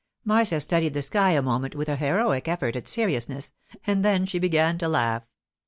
Marcia studied the sky a moment with an heroic effort at seriousness, and then she began to laugh.